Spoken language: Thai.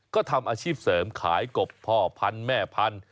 ก็ทำอาชีพเสริมขายกบพ่อพันธุ์แม่พันธุ